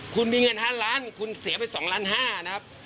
คุณมีเงิน๕ล้านคุณเสียไป๒ล้าน๕นะครับ